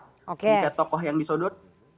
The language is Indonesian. jika tokoh yang disodot